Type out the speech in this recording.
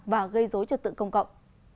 và gây dối trật tự công cộng